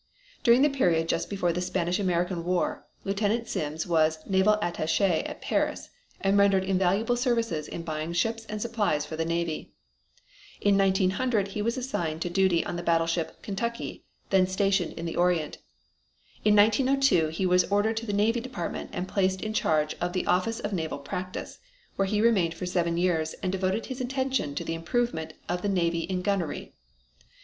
During the period just before the Spanish American War Lieutenant Sims was Naval Attache at Paris, and rendered invaluable services in buying ships and supplies for the Navy. In 1900 he was assigned to duty on the battleship Kentucky, then stationed in the Orient. In 1902 he was ordered to the Navy Department and placed in charge of the Office of Naval Practice, where he remained for seven years and devoted his attention to the improvement of the Navy in gunnery.